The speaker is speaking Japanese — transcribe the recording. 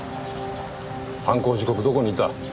犯行時刻どこにいた？